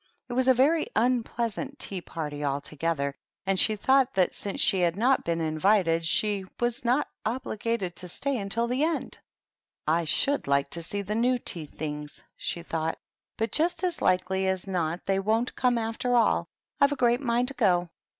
It was a very unpleasant tea party altogether, and she thought that, since she had not been invited, she was not obliged to stay until the end. " I should like to see the new tea things," she thought ;" but just as likely as not they won't come, after all. I've a great mind to go."